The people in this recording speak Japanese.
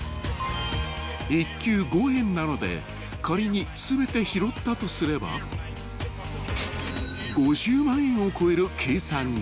［１球５円なので仮に全て拾ったとすれば５０万円を超える計算に］